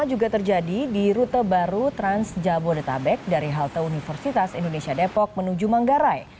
juga terjadi di rute baru trans jabodetabek dari halte universitas indonesia depok menuju manggarai